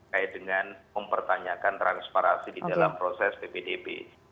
kait dengan mempertanyakan transparansi di dalam proses ppdb